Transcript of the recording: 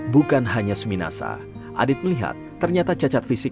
bukan hanya seminasa adit melihat ternyata cacat fisik